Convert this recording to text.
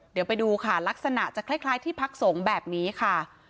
เดี๋ยวไปดูค่ะลักษณะจะคล้ายที่พักสงฆ์แบบนี้ค่ะ